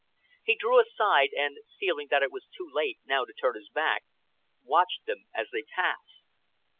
He drew aside, and, feeling that it was too late now to turn his back, watched them as they passed.